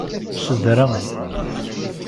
Sedrem.